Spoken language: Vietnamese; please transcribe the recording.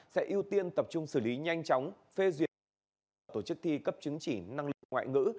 sẽ ưu tiên tập trung xử lý nhanh chóng phê duyệt tổ chức thi cấp chứng chỉ năng lực ngoại ngữ